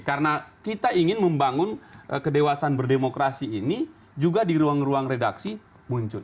karena kita ingin membangun kedewasan berdemokrasi ini juga di ruang ruang redaksi muncul